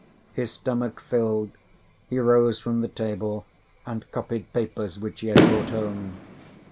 His stomach filled, he rose from the table, and copied papers which he had brought home.